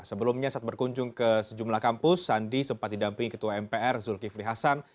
sebelumnya saat berkunjung ke sejumlah kampus sandi sempat didampingi ketua mpr zulkifli hasan